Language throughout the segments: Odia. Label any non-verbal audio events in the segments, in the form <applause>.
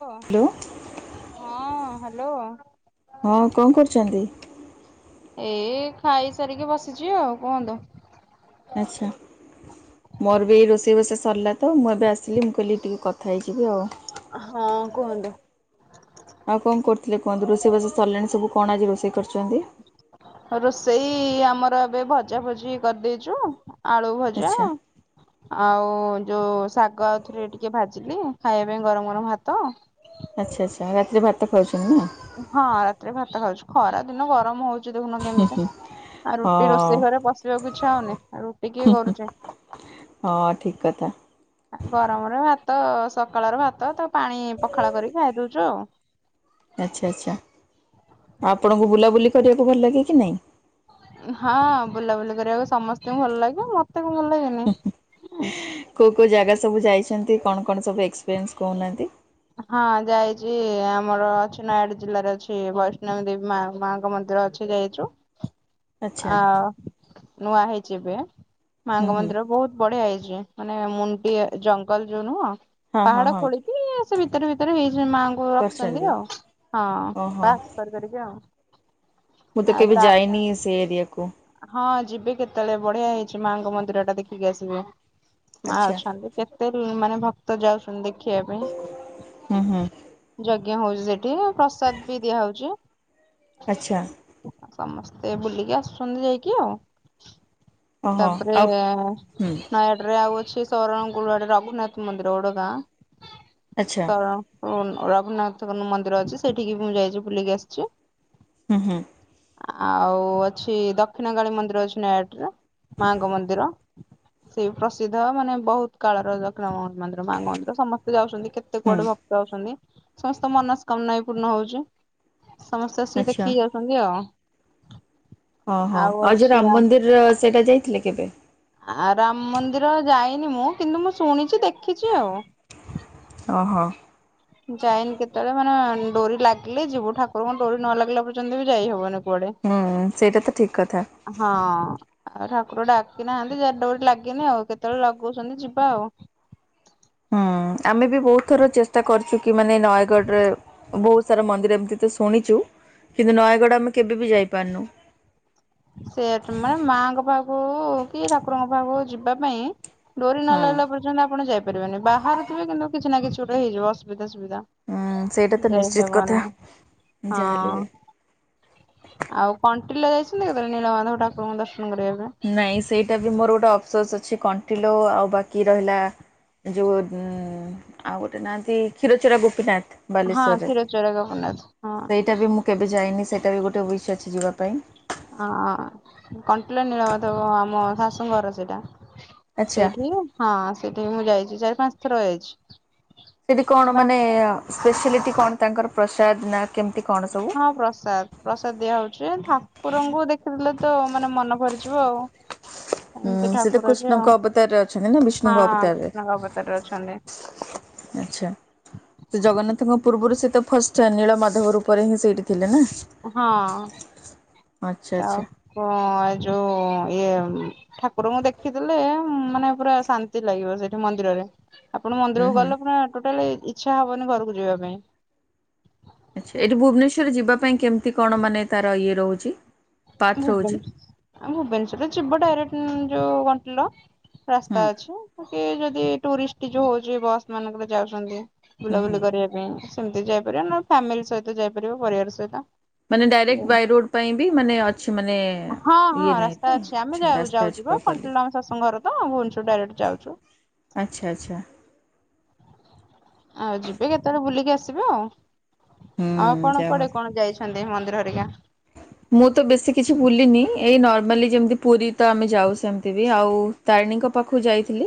କ ହ୍ୟାଲୋ ହଁ ହ୍ୟାଲୋ। ହଁ କଣ କରୁଛନ୍ତି? ଏ ଖାଇସାରିକି ବସିଚି ଆଉ। କୁହନ୍ତୁ। ଆଚ୍ଛା ମୋର ବି ଏଇ ରୋଷେଇବାସ ସରିଲା ତ ମୁଁ ଏବେ ଆସିଲି ମୁଁ କହିଲି ଟିକେ କଥା ହେଇ ହଁ କୁହନ୍ ଆଉ କଣ କରୁଥିଲେ କୁହନ୍ତୁ? ରୋଷେଇବାସ ସରିଲାଣି ସବୁ କଣ ଆଜି ରୋଷ ରୋଷେଇ ଆମର ଏବେ ଭଜା ଭଜି କରିଦେଇଚୁ। ଆଳୁ ଭଜା। ଆଚ୍ଛା ଆଉ ଯୋଉ ଶାଗ ଆଉଥରେ ଟିକେ ଭାଜିଲି ଖାଇବା ପାଇଁ ଗରମ ଗରମ ଭାତ। ଆଚ୍ଛା, ଆଚ୍ଛା ରାତିରେ ଭାତ ଖାଉଛ। ହଁ ରାତିରେ ଭାତ ଖାଉଛୁ। ଖରା ଦିନ ଗରମ ହଉ ଚି ଦେଖୁନ କେମିତି, ଆଉ ରୁଟି ହଁ। ରୋଷେଇ ଘରେ ପଶିବାକୁ ଇଚ୍ଛା ହଉନି। ଏ ରୁଟି କିଏ କରୁଚି। ହଁ ଠିକ କଥା। ଗରମରେ ଭାତ ସକାଳର ଭାତ ତ ପାଣି ପଖାଳ କରିିକି ଖାଇଦଉଚୁ ଆଉ। ଆଚ୍ଛା, ଆଚ୍ଛା ଆପଣଙ୍କୁ ବୁଲାବୁଲି କରିବାକୁ ଭଲ ଲାଗେ କି ନାଇ? ହଁ ବୁଲାବୁଲି କରିବାକୁ ସମସ୍ତଙ୍କୁ ଭଲ ଲାଗିବ ମୋ କୋଉ କୋଉ ଜାଗା ସବୁ ଯାଇଛନ୍ତି? କଣ କଣ ସବୁ ଏକ୍ସପିରିଏନ୍ସ କହୁନାହାନ୍ତି? ହଁ ଯାଇଚି ଆମର ଅଛି ନୟାଗଡ ଜିଲ୍ଲାରେ ଅଛି ବୈଷ୍ଣବୀ ଦେବୀ ମା-ମାଙ୍କ ମନ୍ଦି ର ଅଛି ଯାଇଚୁ। ଆଚ୍ଛା ଆଉ ନୂଆ ହେଇଚି ଏବେ ହୁଁ ମାଙ୍ଗ ହୁଁ ମନ୍ଦିର ବୋହୁତ ବଢିଆ ହେଇଚି। ଚି ମାନେ ମୁଣ୍ଟି ଜଙ୍ଗଲ ଯୋଉ ନୁହଁ ହଁ ହଁ ପାହାଡ ହଁ ଖୋଳିକି ସେ ଭିତରେ ଭିତରେ ହେଇ ମାଆଙ୍କୁ ରଖିଛନ୍ତି କରିଛନ୍ତି ଆଉ ହଁ ଓହୋ। ବାସ କରି କରିକା ଆଉ। ମୁଁ ତ ଆଉ କେବେ ତା ଯାଇନି ସେ ଏରିଆ ହଁ ଯିବେ କେତେବେଳେ ବଢିଆ ହେଇଚି ମାଙ୍କ ମନ୍ଦିରଟା ଦେଖିକି ଆସିବେ। ମା ଆଚ୍ଛା। ଅଛନ୍ତି କେତେ ରୁ-ମାନେ ଭକ୍ତ ଯାଉଛନ୍ତି ଦେ ଦେଖିବା ପାଇଁ ହୁଁ ହୁଁ ଯଗ୍ ଯଜ୍ଞ ହୋଉଚି ସେଠି ପ୍ରସାଦ ବି ଦିଆହୋଉଚି। ଆଚ୍ଛା ସମସ୍ତେ ବୁଲିକି ଆସୁଚନ୍ତି ଯାଇକି ଆଉ। ଓହୋ ତାପରେ ଆଉ ହୁଁ ନୟାଗଡରେ ଆଉ ଅ ସିଏ ସରଣଗୁରୁ ଆଡେ ରଘୁନାଥ ମନ୍ଦିର ଗୋଟେ ଗାଁ ଆଚ୍ଛା ସରଣ ଗୁଣ ରଘୁନାଥଙ୍କର ମନ୍ଦିର ଅଛି ସେଇଠିକି ବି ମୁଁ ଯାଇଚି ବୁଲିକି ଆସଚି। ହୁଁ ହୁଁ। ଆଉ ଅଛି ଦକ୍ଷିଣକାଳୀ ମନ୍ଦିର ଅଛି ନୟାଗଡରେ ମାଙ୍କ ମନ୍ଦିର। ସେଇ ପ୍ରସିଦ୍ଧ ମାନେ ବୋହୁତ କାଳର ଦକ୍ଷିଣ ମାଆ ମନ୍ଦିର ମାଙ୍ଗ ମନ୍ଦିର ସମସ୍ତେ ଯାଉଚନ୍ତି। କେତେ ହୁଁ କୁଆଡେ ଭକ୍ତ ଅଛନ୍ତି ସମସ୍ତଙ୍କ ମନସ୍କାମନା ବି ପୂର୍ଣ୍ଣ ହୋଉଚି। ସମସ୍ତେ ଆସିକି ଆଚ୍ଛା ଦେଖିକି ଯାଉଚନ୍ତି ଆଉ। ଓ ହୋ ଆଉ ଯୋଉ ଅଛି ରାମ ଆମ ମନ୍ଦିରର ସେଇଟା ଯାଇଥିଲେ କେବେ? ଆ ରାମ ମନ୍ଦିର ଯାଇନି ମୁଁ କିନ୍ତୁ ମୁଁ ଶୁଣିଚି ଦେ ଖିଚି ଆଉ। ଓହୋ ଯାଇନି କେତେବେଳେ ମାନେ ଡୋରି ଲାଗିଲେ ଯିବୁ ଠାକୁରଙ୍କ ଡୋରି ନ ଲାଗିଲା ପର୍ଯ୍ୟନ୍ତ ବି ଯାଇ ହବନି କୁଆଡେ ହୁଁ ସେଇଟା ତ ଠିକ କଥା ଆଉ ଠାକୁର ଡାକି ନାହାନ୍ତି ଯା ଡୋରି ଲାଗେନି ଆଉ କେତେବେଳେ ଲଗୋଉଚନ୍ତି ଯିବା ଆଉ। ହୁଁ ଆମେ ବି ବୋହୁତ ଥର ଚେଷ୍ଟା କରିୁଚୁ କି ମାନେ ନୟାଗଡରେ ବୋହୁତ ସାରା ମନ୍ଦିର ଏମତି ଥି ଶୁଣିଚୁ କିନ୍ତୁ ନୟାଗଡ ଆମେ କେବେ ବି ଯାଇପାରନୁ। ସେୟାଟା ମାନେ ମାଙ୍କ ପାଖକୁ କି ଠାକୁରଙ୍କ ପାଖକୁ ଯିବା ପାଇଁ ଡୋରି ନ ହଁ। ଲାଗିଲା ପର୍ଯ୍ୟନ୍ତ ଆପଣ ଯାଇପାରିବେନି ବାହାରୁଥିବେ କିନ୍ତୁ କିଛି ନା କିଛି ଗୋଟେ ହେଇଯିବ ଅସୁବି ଅସୁବିଧା ହୁଁ ସେଇଟା ତ ନିଶ୍ଚିତ କଥା ଯାଇହବନି ହଁ। ଯାହାହେଲେ ବି ଆଉ କଣ୍ଟିଲ ଯାଇଛନ୍ତି କେତେବେଳେ ନୀଳମାଧବ ଠାକୁରଙ୍କୁ ଦର୍ ନାଇଁ ସେଇଟା ବି ମୋର ଗୋଟେ ଅଫସୋସ୍ ଅଛି କଣ୍ଟିଲୋ ଆଉ ବାକି ରହିଲା ଯୋଉ ଉଁ ଆଉ ଗୋଟେ ନାଆନ୍ତି କ୍ଷୀରଚୋରା ଗୋପୀନାଥ ହଁ ବାଲେଶ୍ଵରରେ କ୍ଷୀରଚୋରା ଗୋପୀନାଥ ହଁ। ସେଇଟା ବି ମୁଁ କେବେ ଯାଇନି ସ୍ ସେଇଟା ବି ଗୋଟେ ୱିଶ୍ ଅଛି ଯିବାପାଇଁ। ଆ କଣ୍ଟିଲ ନୀଳମାଧବ ଆମ ଶାଶୁଙ୍କ ଘର ସେଇଟା। ଆଚ୍ଛା। ସେଇଠି ହଁ ସେଇଠିକି ମୁଁ ଯାଇଚି ଚାରି ପାଞ୍ଚଥର ଯାଇଚି। ସେଠି କଣ ମାନେ ସ୍ପେଶଲିଟି କଣ ତାଙ୍କର ପ୍ରସାଦ ନା କେମିତି କଣ ସବୁ? ହଁ ପ୍ରସାଦ ପ୍ରସାଦ ଦିଆ ହୋଉଚି ଠାକୁରଙ୍କୁ ଦେଖିଦେଲେ ତ ମାନେ ମନ ଭରିଯିବ ଆଉ। ଏମିତି ହୁଁ ସେତ ଠାକୁର ଯେ ଆଉ କୃଷ୍ଣଙ୍କ ଅବତାରରେ ଅଛନ୍ତି ନା ବିଷ୍ଣୁଙ୍କ ହଁ ଅବତାରରେ। କୃଷ୍ଣଙ୍କ ଅବତାରରେ ଅଛନ୍ତି ଆଛା ସେ ଜଗନ୍ନାଥଙ୍କ ପୂର୍ବରୁ ସେ ତ ଫାଷ୍ଟ ନୀଳମାଧବ ରୂପରେ ହିଁ ସେଇଠି ଥିଲେନା। ହଁ ଆଚ୍ଛା ଆଚ୍ଛା ତାପ-ଯୋଉ ଇଏ ଠାକୁରଙ୍କୁ ଦେଖିଦେଲେ ମାନେ ପୁରା ଶାନ୍ତି ଲାଗିବ ସେଇଠି ମନ୍ଦିରରେ। ଆପଣ ହୁଁ ମନ୍ଦିରକୁ ହୁଁ। ଗଲେ ପୁରା ଟୋଟାଲେ ଇଛା ହବନି ଘରକୁ ଯିବା ପାଇଁ। ଆଛା ଏଇଠି ଭୁବନେଶ୍ଵରରେ ଯିବା ପାଇଁ କେମତି କଣ ମାନେ ତାର ଇଏ ରହୁଚି। ଭୁବନେଶ-ଆ ଭୁବନେଶ୍ଵରରେ ଯିବ ଡାଇରେକ୍ଟ ଉଁ-ଯୋଉ କଣ୍ଟିଲୋ। ହୁଁ ରାସ୍ତା ଅଛି କି ଯଦି ଟୁରିଷ୍ଟି ଯୋଉ ହୋଉଚି ବସ୍ ମାନଙ୍କରେ ଯାଉଚନ୍ତି। ହୁଁ ହୁଁ। ବୁଲାବୁଲି କରିବା ପାଇଁ ସେମିତି ଯାଇପାରିବେ ନହେଲେ ଫ୍ୟାମିଲି ସହିତ ଯାଇପାରିବେ ପରିବାର ସହିତ। ମାନେ ଡାଇରେକ୍ଟ୍ ବାଇ ରୋଡ୍ ପାଇଁ ବି ମାନେ ଅ ହଁ-ହଁ ରାସ୍ତା ଅଛି, ଆମେ ଆଚ୍ଛା ଯାଉ ରାସ୍ତା ଅଛି ଯାଉଛୁ ପା ପ୍ରପରଲି କଣ୍ଟିଲୋ ଆମ ଶାଶୂଙ୍କ ଘର ତ ଭୁବନେଶ୍ୱରରୁ ଡାଇରେକ୍ଟ୍ ଯାଉଛୁ। ଆଚ୍ଛା ଆଚ୍ଛା। ଆଉ ଯିବେ କେତେବେଳେ ବୁଲିକି ଆସିବେ ଆଉ, ହୁଁ ଆଉ କଣ ଯାହା ହଉ। କୁଆଡେ କଣ ଯାଇ? ଛନ୍ତି ମନ୍ଦିରହେରିକା? ମୁଁ ତ ବେଶୀ କିଛି ବୁଲିନି ଏଇ ନର୍ମାଲି ଯେମିତି ପୁରୀ ତ ଆମେ ଯାଉ, ସେମିତି ବି ଆଉ ତାରିଣୀଙ୍କ ପାଖକୁ ଯାଇଥିଲି।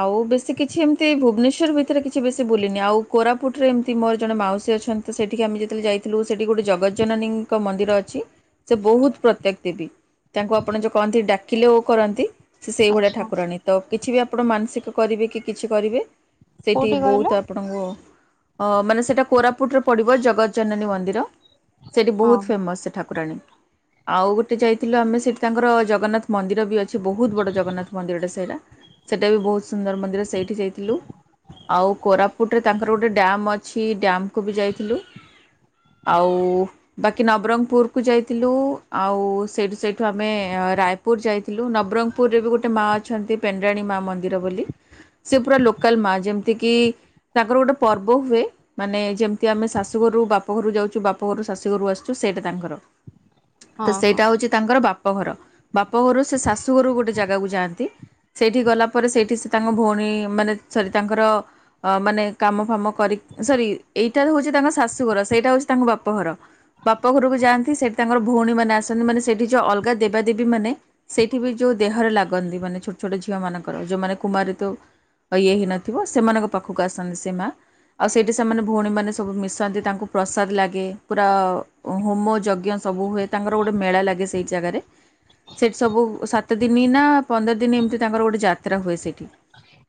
ଆଉ ବେଶୀ କିଛି ଏମତି ଭୁବନେଶ୍ଵର ଭିତରେ କିଛି ବେଶୀ ବୁଲିନି, ଆଉ କୋରାପୁଟରେ ଏମତି ମୋର ଜଣେ ମା ମାଉସୀ ଅଛନ୍ତି, ସେଠିକି ଆମେ ଯେତେବେଳେ ଯାଇଥିଲୁ ସେଠି ଗୋଟେ ଜଗତଜ୍ଜନନୀଙ୍କ ମନ୍ ମନ୍ଦିର ଅଛି, ସେ ବହୁତ ପ୍ରତ୍ୟେକ ଦେବୀ। ତାଙ୍କୁ ଆପଣ ଯୋଉ କହନ୍ତି ଡାକିଲେ ଓ କରନ୍ତି, ସେ ସେଇଭଳିଆ ଆଚ୍ଛା ଠାକୁରାଣୀ, ତ କିଛି ବି ଆପଣ ମାନସିକ କରିବେକି କିଛି କରିବେ, ସେଠି କୋଉଠି କହିଲେ ବହୁତ୍ ଆପଣଙ୍କୁ ଅ ମାନେ ସେଇଟା କୋରାପୁଟରେ ପଡିବ ଜଗତଜ୍ଜନନୀ ମନ୍ଦିର, ସେଠି ହଁ ବହୁତ୍ ଫେମସ୍ ଠାକୁରାଣୀ, ଆଉ ଗୋଟେ ଯାଇଥିଲୁ ଆମେ ସେଠି ତାଙ୍କର ଜଗନ୍ନାଥ ମନ୍ଦିର ବି ଅ ଛି ବହୁତ ବଡ ଜଗନ୍ନାଥ ମନ୍ଦିରଟା ସେଇଟା, ସେଇଟା ବି ବହୁତ ସୁନ୍ଦର ମନ୍ଦିର ସେଇଠି ଯାଇଥିଲୁ। ଆଉ କୋରାପୁଟରେ ତାଙ୍କର ଗୋଟେ ଡ୍ୟାମ୍ ଅଛି, ଡ୍ୟାମକୁ ବି ଯାଇଥିଲୁ। ଆଉ-ଉ-ଉ ବାକ୍ କି ନବରଙ୍ଗପୁରକୁ ଯାଇଥିଲୁ, ଆଉ ସେଇଠୁ ସେଇଠୁ ଆମେ ରାୟପୁର ଯାଇଥିଲୁ, ନବରଙ୍ଗ୍ ପୁରରେ ବି ଗୋଟେ ମାଆ ଅଛନ୍ତି ପେଣ୍ଡ୍ରାଣୀ ମାଆ ମନ୍ଦିର ବୋଲି। ସେ ପୁରା ଲୋକାଲ ମାଆ ଯେମିତି କି ତାଙ୍କର ଗୋଟେ ପର୍ବ ହୁଏ, ମାନେ ଯେମିତି ଆମେ ଶାଶୁଘରୁ ବାପ ଘରୁ ଯାଉଛୁ ବାପ ଘରୁ ଶାଶୁ ଘରୁ ଆସୁ ତ ସେଇଟା ତାଙ୍କର, ତ ହଁ ହଁ ସେଇଟା ହଉଛି ତାଙ୍କର ବାପଘର ବାପ ଘରୁ ସେ ଶାଶ୍ ଶୁ ଘରକୁ ଗୋଟେ ଜାଗାକୁ ଯାଆନ୍ତି। ସେଇଠି ଗଲା ପରେ ସେଇଠି ସେ ତାଙ୍କ ଭଉଣୀ ମାନେ ସରି ତାଙ୍କର ଅ ମାନେ କାମଫାମ କରି ସରି ଏଇଟା ହଉଛି ତାଙ୍କ ଶାଶୁଘର, ସେଇଟା ହଉଛି ତାଙ୍କ ବାପଘର। ବାପ ଘରକୁ ଯାଆନ୍ତି, ‌ ସେଠି ତାଙ୍କର ଭଉଣୀ ମାନେ ଆସନ୍ତି, ମାନେ ସେଠି ଯୋଉ ଅଲଗା ଦେବାଦେବୀ ମାନେ ସେଠି ବି ଯୋଉ ଦେହରେ ଲାଗନ୍ତି, ମାନେ ଛୋଟ ଛୋଟ ଝିଅ ମାନଙ୍କର, ଯୋଉମାନେ କୁମାରୀତ୍ଵ ଇଏ ହେଇ ନଥିବ, ସେମାନଙ୍କ ପାଖକୁ ଆସନ୍ତି ସେ ମାଆ। ଆଉ ସେଇଠି ସେମାନେ ଭଉଣୀମାନେ ସବୁ ମିଶନ୍ତି ତାଙ୍କୁ ପ୍ରସାଦ ଲାଗେ, ପୁରା ହୋମଯଜ୍ଞ ସବୁ ହୁଏ ତାଙ୍କର ଗୋଟେ ମେଳା ଲାଗେ ସେଇ ଜାଗାରେ। ସେଠି ସବୁ ସାତ ଦିନ ନା ପନ୍ଦର ଦିନ ଏମତି ତାଙ୍କର ଗୋଟେ ଯାତ୍ରା ହୁଏ ସେଠି।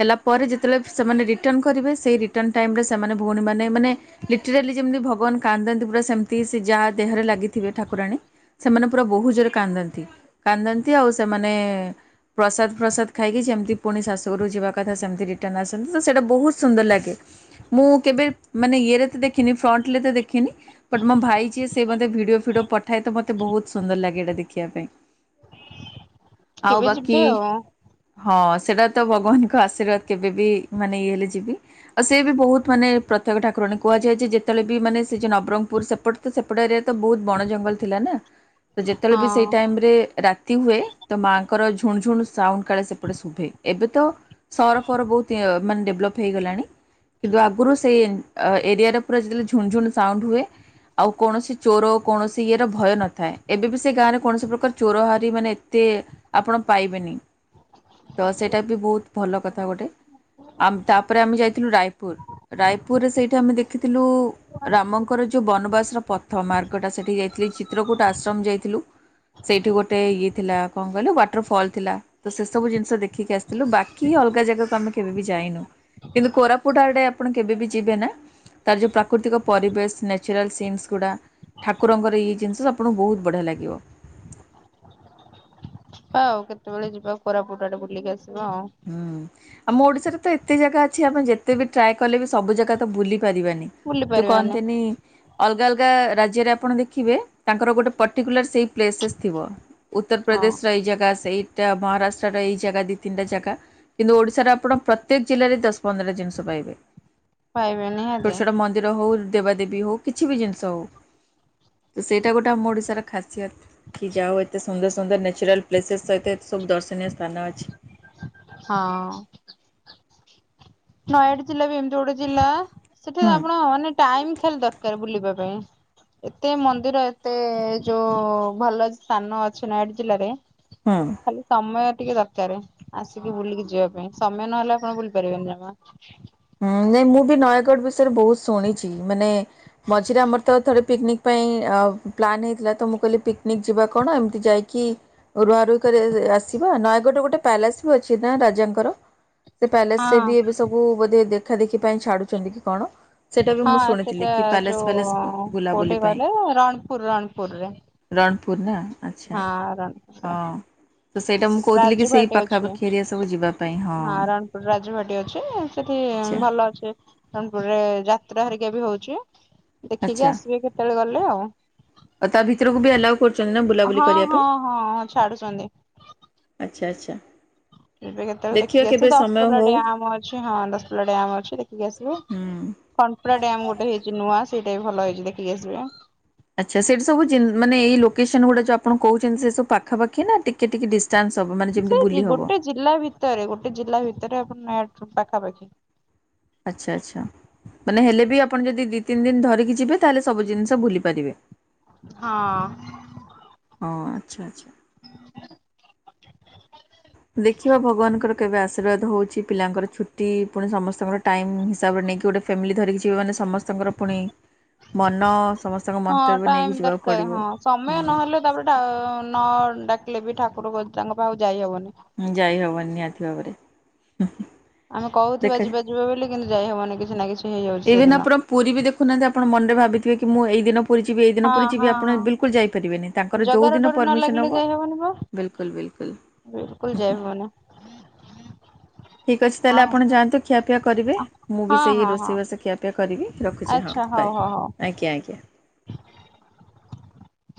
ହେଲା ପରେ ଯେତେବେଳେ ସେମାନେ ରିଟର୍ଣ୍ଣ କରିବେ ସେ ରିଟର୍ଣ୍ଣ ଟାଇମରେ ସେମାନେ ଭଉଣୀମାନେ ମାନେ ଲିଟେଲାରି ଯେମିତି ଭଗବାନ କାନ୍ଦନ୍ତି ପୁରା ସେମିତିସ୍ ଯାହା ଦେହରେ ଲାଗିଥିବେ ଠାକୁରାଣୀ ସେମାନେ ପୁରା ବହୁ ଜୋରରେ କାନ୍ଦନ୍ତି, କାନ୍ଦନ୍ତି ଆଉ ସେମାନେ ଏଁ ପ୍ରସାଦଫ୍ରସାଦ ଖାଇକି ଯେମିତି ପୁଣି ଶାଶୁଘରକୁ ଯିବା କଥା ସେମିତି ରିଟର୍ଣ ଆସନ୍ତି ତ ସେଇଟା ବହୁତ ସୁନ୍ଦର ଲାଗେ। ମୁଁ କେବେ ମାନେ ଇଏରେ ତ ଦେଖିନି ଫ୍ରଣ୍ଟଲେ ତ ଦେଖିନି ବଟ୍ ମୋ ଭାଇ ଯିଏ ସେ ମତେ ଭିଡିଓ ଫିଡିଓ ପଠାଏ ତ ମତେ ବହୁତ ସୁନ୍ଦର ଲାଗେ ଏଇଟା ଦେଖିବା ପାଇଁ। ଆଉ କେବେ ବାକି ଯିବେ ଆ ଆଉ? ହଁ ସେଟା ତ ଭଗବାନଙ୍କ ଆଶୀର୍ବାଦ କେବେ ବି ମାନେ ଇଏ ହେଲେ ଯିବି ଆଉ ସିଏ ବି ବହୁତ ମାନେ ପ୍ରତ୍ ପ୍ରତ୍ୟକ୍ଷ ଠାକୁରାଣୀ, କୁହାଯାଏ ଯେ ଯେତେବେଳେ ବି ମାନେ ସେ ଯେ ନବରଙ୍ଗପୁର ସେପଟ୍ ତ ସେପଟ ଏରିଆ ତ ବହୁତ ବଣ ଜଙ୍ଗଲ ଥିଲା ନା, ତ ଯେତେବେଳେ ବି ସେଇ ଟାଇମରେ ରାତ୍ <inaudible> ହୁଏ ତ ମାଆଙ୍କର ଝୁଣଝୁଣ୍ ସାଉଣ୍ଡ୍ କାଳେ ସେପଟେ ଶୁଭେ ଏବେ ତ ସହରଫହର ବହୁତ୍ ଅ ମାନେ ଡେଭଲପ୍ ହେଇଗଲାଣି। କିନ୍ତୁ ଆଗରୁ ସେଇ ଏ ଏରିଆରେ ପୁରା ଯେତେବେଳେ ଝୁଣଝୁଣ୍ ସାଉଣ୍ଡ୍ ହୁଏ ଆଉ କୌଣସି ଚୋର କୌଣସି ଇଏର ଭୟ ନଥାଏ ଏବେ ବି ସେ ଗାଁଆରେ କୌଣସି ପ୍ରକାର ଚୋରହାରି ମାନେ ଏତେ ଆପଣ ପାଇବେନି, ତ ସେଟା ବି ବହୁତ ଭଲ କଥା ଗୋଟେ। ଆମ୍ ଆଉ ତାପରେ ଆମେ ଯାଇଥିଲୁ ରାୟପୁର, ରାୟପୁରରେ ସେଇଠି ଆମେ ଦେଖିଥିଲୁ ରାମଙ୍କର ଯୋଉ ବନବାସର ପ୍ରଥମ୍ ମାର୍ଗଟା ସେଠି ଯାଇଥିଲୁ ଚିତ୍ରକୁୂଟ ଆଶ୍ରମ୍ ଯାଇଥିଲୁ। ସେଇଠି ଗୋଟେ ଇଏ ଥିଲା କଣ କହିଲ ୱାଟର ଫଲ୍ ଥିଲା ତ ସେ ସବୁ ଜିନିଷ ଦେଖିକି ଆସିଥିଲୁ ବାକି ଆ ଅଲଗା ଜାଗାକୁ ଆମେ କେବେ ବି ଯାଇନୁ। କିନ୍ତୁ କୋରାପୁଟ ଆଡେ ଆପଣ କେବେ ବିି ଯିବେ ନା ତାର ଯୋଉ ପ୍ରାକୃତିକ ପରିବେଶ ନ୍ୟଚୁରାଲ ସିନ୍। ଗୁଡା ଠାକୁରକଂର ଇଏ ଜୀନଷ ଆପଣଙ୍କୁ ବହୁତ ବଢିଆ ଲାଗିବ। ଯିବା ଆଉ କେତେବେଳେ ଯିବା କୋରାପୁଟ ଟେ ବୁଲିକି ଆସି ହୁଁ ଆମ ଓଡିଶାରେ ତ ଏତେ ଜାଗା ଅଛି। ଆମେ ଯେତେ ବି ଟ୍ରାଏ କଲେ ବି ସବୁ ଜାଗା ତ ବୁଲି ପାରିବାନି ବୁଲି ଯୋଉ ପାରିବାନି କହନ୍ତିନି ଅଲଗା ଅଲଗା ଅଲଗା ରାଜ୍ୟ ଆପଣ ଦେଖିବେ। ତାଙ୍କର ଗୋଟେ ପଟିକୁଲାର ସେ ପ୍ଲେସେସ୍ ଥିବ। ହଁ ଉତ୍ତରପ୍ରଦେଶର ଏଇ ଜାଗା ସେଇଟା ମହାରାଷ୍ଟ୍ର ର ଏଇ ଜାଗା ଦି ତିନଟା ଜାଗା। କିନ୍ତୁ ଓଡିଶାର ଆପଣ ପ୍ରତ୍ୟେକ ଜିଲ୍ଲାରେ ଦଶ ପନ୍ଦର ଟା ଜିନିଷ ପାଇବେ? ପାଇବେ ଛୋଟ ନିହାତି ଛୋଟ ମନ୍ଦିର ହଉ ଦେବାଦେବୀ ହଉ କିଛି ବି ଜିନିଷ ହଉ। ତ ସେଇଟା ଗୋଟେ ଆମ ଓଡିଶାର ଖାସିୟତ। କି ଯାହାହଉ ଏତେ ସୁନ୍ଦର ସୁନ୍ଦର ନ୍ୟଚୁରାଲ ପ୍ଲେସେସ୍ ସହିତ ସବୁ ଦର୍ଶନୀୟ ସ୍ଥାନ ଅଛି। ହଁ। ନୟାଗଡ ଜିଲ୍ଲା ବି ଏମିତି ଗୋଟେ ଜିଲ୍ଲା। ସେଠି ହୁଁ ଆପଣ ମାନେ ଟାଇମ ହେଲେ ଦରକାର ବୁଲିବା ପାଇଁ। ଏତେ ମନ୍ଦିର ଏତେ ଯୋଉ ଭଲ ସ୍ଥାନ ଅଛି ନୟାଗଡ ଜିଲ୍ଲାରେ। ହୁଁ। ଖାଲି ସମୟ ଟିକେ ଦରକାର ଆସିକି ବୁଲିକି ଯିବା ପାଇଁ ସମୟ ନହେଲେ ଆପଣ ବୁଲି ପାରିବେନି ଜମା। ହୁଁ ନାଇଁ ମୁଁ ବି ନୟାଗଡ ବିଷୟରେ ବହୁତ ଶୁଣିଛି। ମାନେ ମଝିରେ ଆମର ତ ଥରେ ପିକନିକ ପାଇଁ ପାଇଁ ପ୍ଲାନ ହେଇଥିଲା ତ ମୁଁ କହିଲି ପିକନିକ ଯିବା କଣ? ଏମତି ଯାଇକି ରୁଆ ରୁହି କରି ଆସିବା ନୟାଗଡରେ ଗୋଟେ ପ୍ୟାଲେସ ବି ଅଛି ନା ରାଜାଙ୍କର। ସେ ପ୍ୟାଲେସ ରେ ବି ହଁ ଏବେ ସବୁ ବୋଧେ ଦେଖା ଦେଖି ପାଇଁ ଛାଡୁଛନ୍ତି କି କଣ? ସେଟା ବି ମୁଁ ହଁ ଶୁଣିଥିଲି ସେଟା କି ପ୍ୟାଲେସ ଫ୍ୟାଲେସ ଯୋଉ କୋଉଠି ବୁଲାବୁଲି ପାଇଁ। କହିଲେ ରଣପୁର ରଣପୁରରେ। ରଣପୁର ନା। ଆଚ୍ଛା ହଁ ରଣପୁର। ହଁ। ତ ସେଇଟା ମୁଁ କହୁଥିଲି କି ସେଇ ରାଜଭାଟି ଅଛି। ପାଖାପାଖି ଏରିଆ ସବୁ ଯିବା ପାଇଁ ହଁ ରଣପୁର ରାଜଭାଟି ଅଛି। ସେଠି ଉଁ ଆଚ୍ଛା। ଭଲ ଅଛି ରଣପୁରରେ ଯାତ୍ରା ହେରିକା ବି ହଉଚି। ଦେଖିକି ଆଚ୍ଛା ଆସିବେ କେତେବେଳେ ଗଲେ ଆଉ। ଆଉ ତା ଭିତରକୁ ବି ଆଲାଉ କରୁ ହଁ ହଁ ହଁ ଛାଡୁଚନ୍ତି। ଆଚ୍ଛା ଆଚ୍ଛା। ଯିବେ କେତେବେଳେ ଦେଖିବା ଦେଖିକି ଆସିବେ। କେବେ ଦଶ ସମୟ ହଉ ପଲ ହୁଁ। ଡ୍ୟାମ ଅଛି ହଁ ଦଶ ପଲ ଡ୍ୟାମ ଅଛି ଦେଖିକି ଆସିବେ। ଖଣ୍ପରା ଡ୍ୟାମ ଗୋଟେ ହେଇଛି ନୂଆ ସେଇଟା ବି ଭଲ ହେଇଛି ଦେଖିକି ଆସିବେ। ଆଚ୍ଛା ସେଇଠି ସବୁ ଜୀ ମାନେ ଏଇ ଲୋକେସନ ଗୁଡା ଆପଣ କହୁଚନ୍ତି। ସେ ସବୁ ପାଖାପାଖି ନା ଟିକେ ଟିକେ ଡି ସେ ଗୋଟେ ଜିଲ୍ଲା ଭିତରେ ଗୋଟେ ଜିଲ୍ଲା ଭିତରେ ଆପଣ ନା ପାଖାପାଖି। ଆଛା ଆଛା ମାନେ ହେଲେ ବି ଆପଣ ଯଦି ଦି ତିନି ଦିନି ଧରିକି ଯିବେ? ତାହଲେ ସବୁ ଜିନିଷ ଭୁଲି ପାରିବେ? ହଁ। ହଁ ଆଛା ଆଛା। ଦେଖିବା ଭଗବାନଙ୍କର କେବେ ଆଶୀର୍ବାଦ ହଉଛି। ପିଲାଙ୍କର ଛୁଟି ପୁଣି ସମସ୍ତଙ୍କର ଟାଇମ ହିସାବରେ ନେଇକି ଗୋଟେ ଫ୍ୟାମିଲି ଧରିକି ଯିବେ ମାନେ ସମସ୍ତଙ୍କର ପୁଣି ମନ ସମସ୍ତଙ୍କ ହଁ ମନ୍ତବ୍ୟ ନେଇକି ଟାଇମ ଯିବାକୁ ଦରକାର ପଡ଼ିବ। ହଁ ହୁଁ। ସମୟ ନହେଲେ। ତାପରେ ସେଇଟା ନ ଡା ହେଲେବି ଠାକୁର ତାଙ୍କ ପାଖକୁ ଯାଇହବନି। ଉଁ ଯାଇ ହବନି ନିହାତି ଭାବରେ? ଆମେ କହୁଥିବା ଯିବା ଯିବା ବୋଲି କିନ୍ତୁ ଯାଇହବନି। କିଛି ନା କିଛି ହେଇଯାଉଛି ଏବେ ନା ସେଦିନ। ଆପଣ ପୁରୀ ବି ଦେଖୁନାହାନ୍ତି। ଆପଣ ମନରେ ଭାବିଥିବେ କି ମୁଁ ଏଇ ଦିନ ପୁରୀ ଯିବି ଏଇଦିନ ହଁ ପୁରୀ ହଁ ଯିବି ଆପଣ ହଁ। ବିଲକୁଲ ଯାଇପାରିବେନି। ତାଙ୍କର ଯୋଉ ଜଗାର ଦିନ ଡୋରି ନ ପରମିସନ୍ ଲାଗିଲେ ହବ ଯାଇ ହବନି ବା ବିଲକୁଲ୍ ବିଲକୁଲ୍। <inaudible> ବିଲକୁଲ ଯାଇ ହବନି। ଠିକ୍ ଅଛି ହଁ ତାହେଲେ ଆପଣ ହଁ ଯାଆନ୍ତୁ ଖିଆପିଆ କରିବେ। ମୁଁ ବି ହଁ ସେଇ ହଁ ହଁ ରୋଷେଇବାଷ ଖିଆପିଆ କରିବି ରଖୁଛି ହଁ। ହଉ ଆଚ୍ଛା ବାଏ ହଉ ହ ଆଜ୍ଞା ଆଜ୍ଞା। <inaudible>